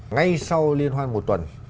ngay sau liên hoan một tuần